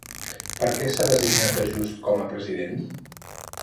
Per què s'ha designat a Just com a president?